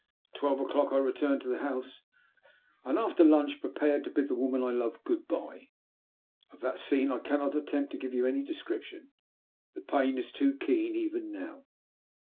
At twelve o'clock I returned to the house, and, after lunch, prepared to bid the woman I loved "good bye." Of that scene I cannot attempt to give you any descrip tion — the pain is too keen even now.